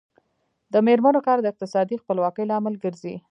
د میرمنو کار د اقتصادي خپلواکۍ لامل ګرځي.